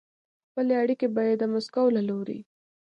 خپلې اړیکې به یې د مسکو له لوري